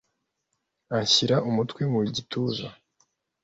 Anshira umutwe mu gituza,